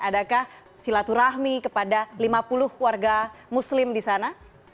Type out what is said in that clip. adakah silaturahmi kepada lima puluh warga muslim disana